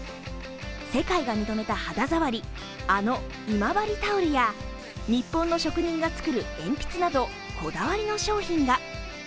世界が認めた肌触り、あの今治タオルや日本の職人が作る鉛筆などこだわりの商品が。